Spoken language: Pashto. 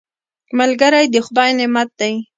ملګری د خدای نعمت دی